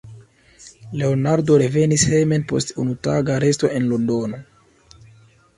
Leonardo revenis hejmen post unutaga resto en Londono.